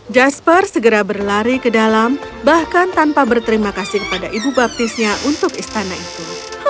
jasper segera berlari ke dalam bahkan tanpa berterima kasih kepada ibu baptisnya untuk istana itu